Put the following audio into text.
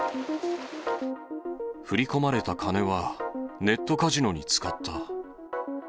振り込まれた金はネットカジノに使った。